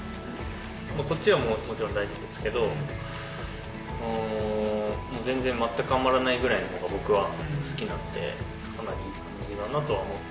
こっちはもうもちろん大事ですけど、もう全然全く余らないぐらいが僕は好きなので、かなりいい感じだなとは思って。